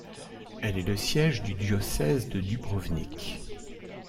Elle est le siège du Diocèse de Dubrovnik.